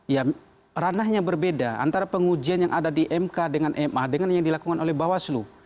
ya ranahnya berbeda antara pengujian yang ada di mk dengan ma dengan yang dilakukan oleh bawaslu